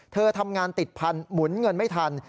เธอทำงานติดพันธุ์หมุนเงินไม่ทัน